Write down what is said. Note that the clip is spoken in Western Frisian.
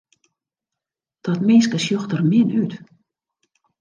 Dat minske sjocht der min út.